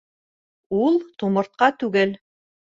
— Ул тумыртҡа түгел.